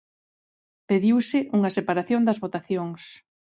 Pediuse unha separación das votacións.